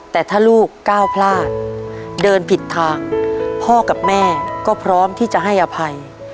แต่ถ้าลูกก้าวพลาดเดินผิดทางพ่อกับแม่ก็พร้อมที่จะให้อภัย